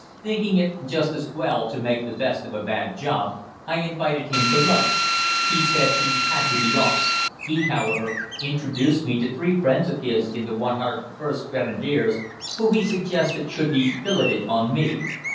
Thinking it was just as well to make the best of a bad job, I invited him to lunch. He said he had to be off. He, however, introduced me to three friends of his in the 101st Grenadiers, who, he suggested, should be billeted on me.